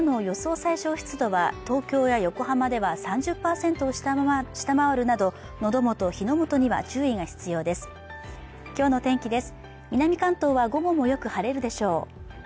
最小湿度は東京や横浜では３０％を下回るなど火の元には注意が必要です